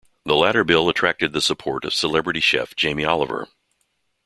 The latter bill attracted the support of celebrity chef Jamie Oliver.